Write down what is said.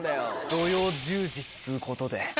土曜１０時っつうことで。